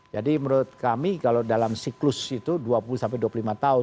jadi menurut kami kalau dalam siklus itu dua puluh sampai dua puluh lima tahun